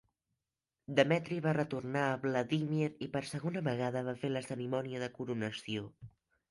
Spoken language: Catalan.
Demetri va retornar a Vladímir i per segona vegada va fer la cerimònia de coronació.